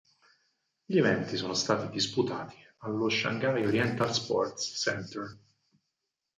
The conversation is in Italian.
Gli eventi sono stati disputati allo Shanghai Oriental Sports Center.